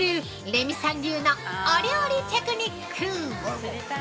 レミさん流のお料理テクニック。